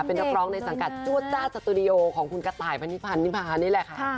เป็นปร้องในสังกัดจู๊ดจ้าสตูดิโอของคุณกระต่ายภัณฑีภาคนี้แหละค่ะ